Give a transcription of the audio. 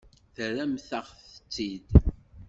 Terramt-aɣ-tt-id.